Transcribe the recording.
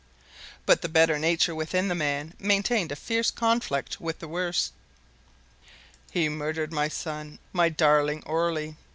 But the better nature within the man maintained a fierce conflict with the worse. "He murdered my son my darling Orley!"